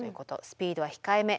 スピードは控えめ。